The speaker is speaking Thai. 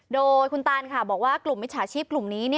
โดยคุณตานบอกว่ากลุ่มมิจฉาชีพกลุ่มนี้